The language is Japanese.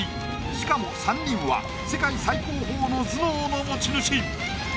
しかも三人は世界最高峰の頭脳の持ち主。